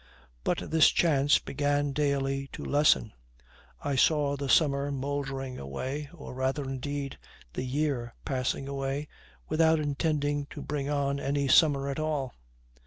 But this chance began daily to lessen. I saw the summer mouldering away, or rather, indeed, the year passing away without intending to bring on any summer at all.